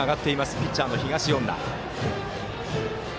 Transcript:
ピッチャーの東恩納。